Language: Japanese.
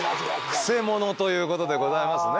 クセ者ということでございますね。